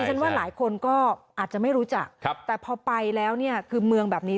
ฉันว่าหลายคนก็อาจจะไม่รู้จักแต่พอไปแล้วเนี่ยคือเมืองแบบนี้